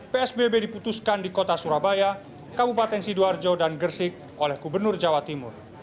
psbb diputuskan di kota surabaya kabupaten sidoarjo dan gersik oleh gubernur jawa timur